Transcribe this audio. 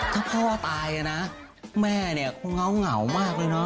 โอ้โหถ้าพ่อตายนะแม่เนี่ยก็เงามากเลยเนาะ